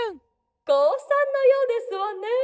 「こうさんのようですわね。